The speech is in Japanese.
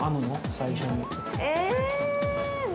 最初に。